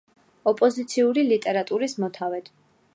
ოპოზიციური ლიტერატურის მოთავედ.